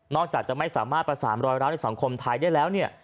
จะไม่สามารถประสานรอยร้าวในสังคมไทยได้แล้วเนี่ย